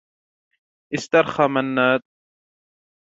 استرخى منّاد.